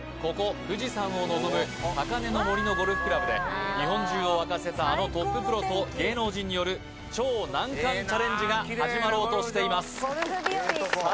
富士山を望む高嶺の森のゴルフクラブで日本中を沸かせたあのトッププロと芸能人による超難関チャレンジが始まろうとしていますさあ